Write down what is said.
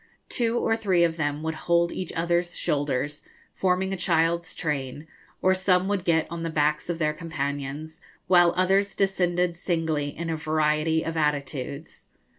Two or three of them would hold each other's shoulders, forming a child's train, or some would get on the backs of their companions, while others descended singly in a variety of attitudes.